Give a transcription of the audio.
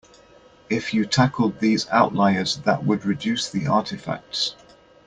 If you tackled these outliers that would reduce the artifacts.